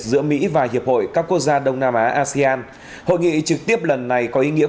giữa mỹ và hiệp hội các quốc gia đông nam á asean hội nghị trực tiếp lần này có ý nghĩa